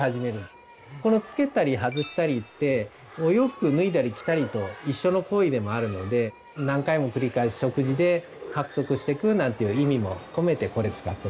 このつけたり外したりってお洋服を脱いだり着たりと一緒の行為でもあるので何回も繰り返す食事で獲得していくなんていう意味も込めてこれ使ってます。